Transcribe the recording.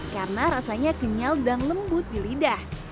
karena rasanya kenyal dan lembut di lidah